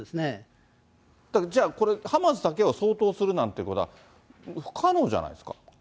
じゃあ、これハマスだけを掃討するなんていうことは、不可能じゃないですか。